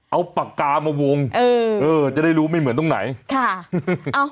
เอาปากกามาวงเออเออจะได้รู้ไม่เหมือนตรงไหนค่ะ